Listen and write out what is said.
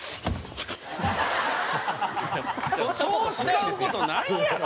そう使う事ないやろ！